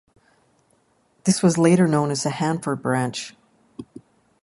This was later known as the Hanford Branch.